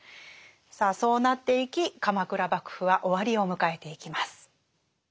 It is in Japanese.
さあそうなっていき鎌倉幕府は終わりを迎えていきます。